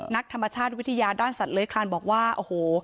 นักธรรมชาติวิทยาด้านสัตว์เลื้อยคลานบอกว่าโอ้โห